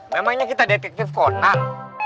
memangnya kita detektif konak